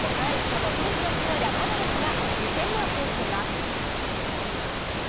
このピンチをしのいだパドレスが２戦目を制しています。